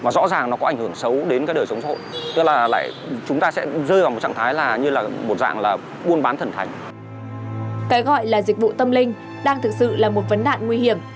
cái gọi là dịch vụ tâm linh đang thực sự là một vấn đạn nguy hiểm